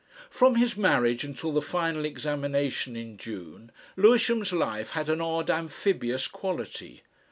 From his marriage until the final examination in June, Lewisham's life had an odd amphibious quality.